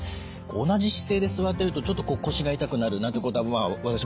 同じ姿勢で座ってるとちょっとこう腰が痛くなるなんてことはまあ私もありますけれどね。